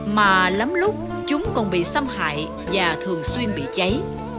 mà lắm lúc chúng còn bị xâm hại và thường xuyên bị cháy